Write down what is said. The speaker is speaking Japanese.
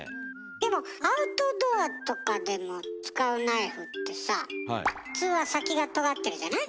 でもアウトドアとかでも使うナイフってさ普通は先がとがってるじゃない？